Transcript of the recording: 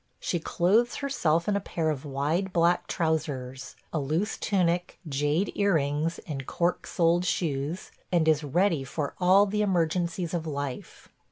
She clothes herself in a pair of wide black trousers, a loose tunic, jade earrings and cork soled shoes, and is ready for all the emergencies of life.